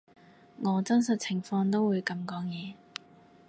我真實情況都會噉講嘢